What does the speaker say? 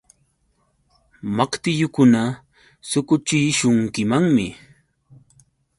Maqtillukuna suquchishunkimanmi.